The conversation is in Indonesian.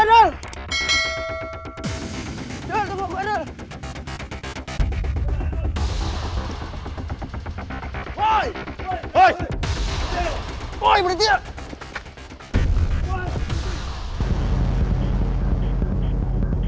waduh tau uang gua